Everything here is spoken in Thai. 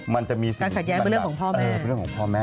กรรติย้ายเป็นเรื่องของพ่อแม่